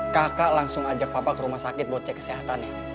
kakak langsung ajak papa ke rumah sakit buat cek kesehatan ya